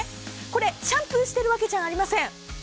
これシャンプーしているわけじゃありません。